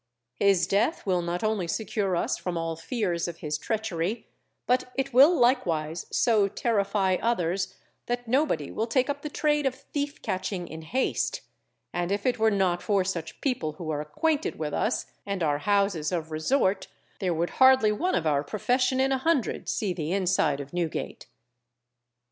His death will not only secure us from all fears of his treachery, but it will likewise so terrify others that nobody will take up the trade of thief catching in haste; and if it were not for such people who are acquainted with us and our houses of resort there would hardly one of our profession in a hundred see the inside of Newgate.